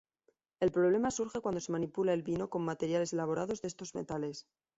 El problema surge cuando se manipula el vino con materiales elaborados de estos metales.